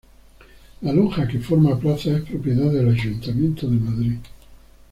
La lonja que forma plaza es propiedad del Ayuntamiento de Madrid.